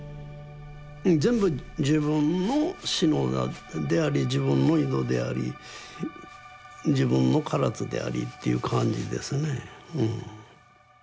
全部自分の志野であり自分の井戸であり自分の唐津でありっていう感じですね。